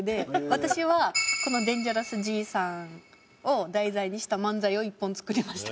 私はこの『でんぢゃらすじーさん』を題材にした漫才を１本作りました。